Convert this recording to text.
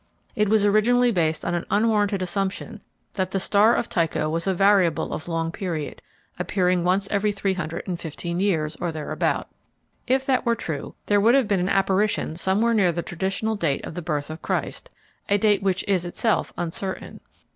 It was originally based on an unwarranted assumption that the star of Tycho was a variable of long period, appearing once every three hundred and fifteen years, or thereabout. If that were true there would have been an apparition somewhere near the traditional date of the birth of Christ, a date which is itself uncertain.